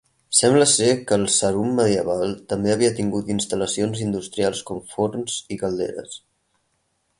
Sembla ser que el Sarum medieval també havia tingut instal·lacions industrials com forns i calderes.